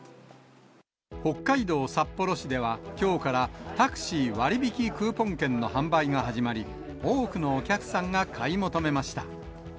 北海道札幌市では、きょうからタクシー割引クーポン券の販売が始まり、多くのお客さんが買い求めました。